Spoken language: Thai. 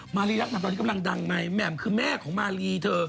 มารีรักแหม่มตอนนี้กำลังดังไงแหม่มคือแม่ของมารีเธอ